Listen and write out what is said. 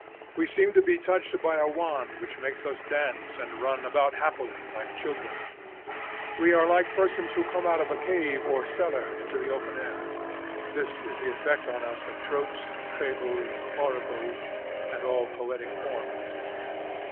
We seem to be touched by a wand which makes us dance and run about happily, like children. We are like persons who come out of a cave or cellar into the open air. This is the effect on us of tropes, fables, oracles, and all poetic forms.